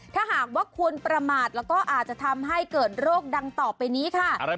ถ้าหากว่าคุณประมาทแล้วก็อาจจะทำให้เกิดโรคดังต่อไปนี้ค่ะ